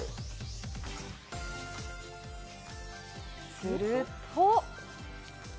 すると。